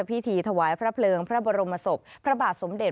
พิธีถวายพระเพลิงพระบรมศพพระบาทสมเด็จ